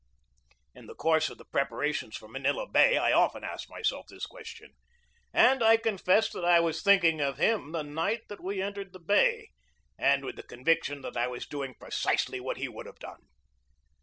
In the course of the preparations for Manila Bay I often asked myself this question, and I confess that I was thinking of him the night that we entered the Bay, and with the conviction that I was doing precisely what he would have done.